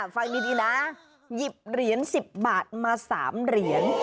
ฟังดีนะหยิบเหรียญ๑๐บาทมา๓เหรียญ